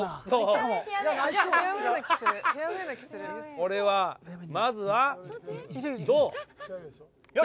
これはまずはどう？